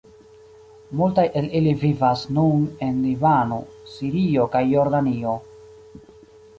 Multaj el ili vivas nun en Libano, Sirio kaj Jordanio.